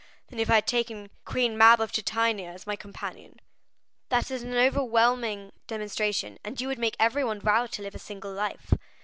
—than if I had taken Queen Mab or Titania as my companion." 30279m "That is an overwhelming demonstration, and you would make everyone vow to live a single life."